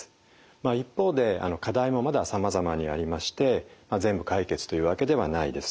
まあ一方で課題もまださまざまにありまして全部解決というわけではないです。